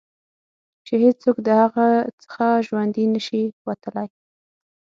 چې هېڅوک د هغه څخه ژوندي نه شي وتلای.